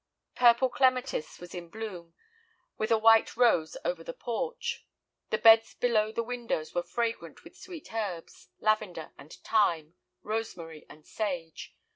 Purple clematis was in bloom, with a white rose over the porch. The beds below the windows were fragrant with sweet herbs, lavender and thyme, rosemary and sage.